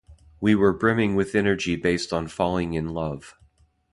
We were brimming with energy based on falling in love.